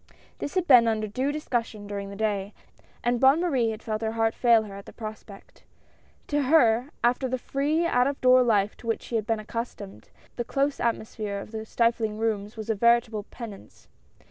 This had been under due discussion during the day, and Bonne Marie had felt her heart fail her at the prospect. To her, after the free out of door life to which she had been accustomed, the close atmosphere of the stifling rooms was a veritable penance.